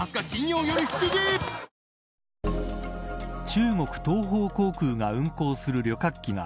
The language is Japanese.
中国東方航空が運航する旅客機が